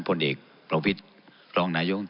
ผลเอกประวิทธิ์รองนายาวงติ